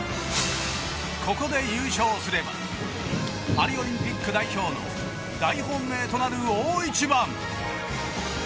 ここで優勝すればパリオリンピック代表の大本命となる大一番。